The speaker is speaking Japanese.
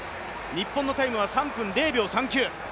日本のタイムは３分０秒３９